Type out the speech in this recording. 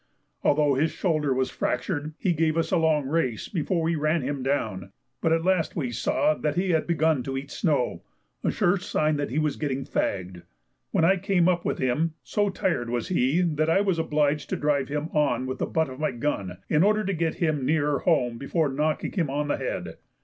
Although his shoulder was fractured, he gave us a long race before we ran him down, but at last we saw that he had begun to eat snow, a sure sign that he was getting fagged. When I came up with him, so tired was he that I was obliged to drive him on with the butt of my gun in order to get him nearer home before knocking him on the head.